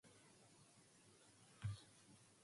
Even tones are conjoined with inflected ones, and vice versa.